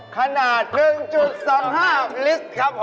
ขนาดหนึ่งจุดสามห้าบลิสต์ครับผม